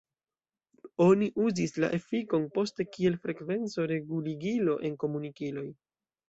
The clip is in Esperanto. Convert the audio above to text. Oni uzis la efikon poste kiel frekvenco-reguligilo en komunikiloj.